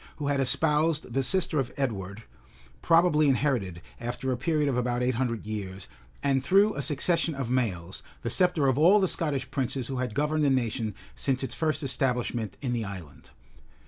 who had espoused the sister of Edward, probably inherited, after a period of about eight hundred years, and through a succession of males, the sceptre of all the Scottish princes who had governed the nation since its first establishment in the island.